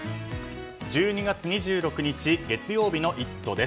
１２月２６日月曜日の「イット！」です。